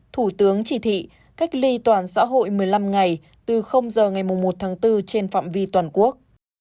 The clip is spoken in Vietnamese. thủ tướng chỉ thị cách ly toàn xã hội một mươi năm ngày từ giờ ngày một tháng bốn trên phạm vi toàn quốc